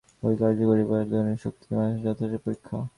ঐ কার্য করিবার ধরন এবং শক্তিই মানুষের যথার্থ পরীক্ষা।